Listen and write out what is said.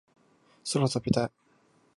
空を飛びたい